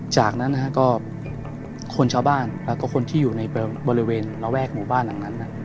จากนั้นน่ะคนชาวบ้านและคนที่อยู่ในบริเวณระวักหมู่บ้าน